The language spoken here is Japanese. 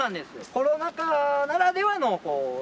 コロナ禍ならではのレアな。